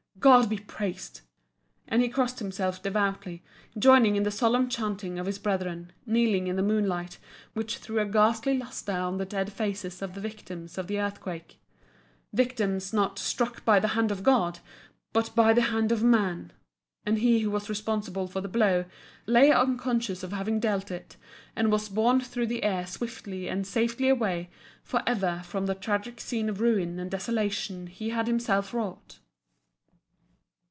God be praised!" And he crossed himself devoutly, joining in the solemn chanting of his brethren, kneeling in the moonlight, which threw a ghastly lustre on the dead faces of the victims of the earthquake, victims not "struck by the hand of God" but by the hand of man! And he who was responsible for the blow lay unconscious of having dealt it, and was borne through the air swiftly and safely away for ever from the tragic scene of the ruin and desolation he had himself wrought.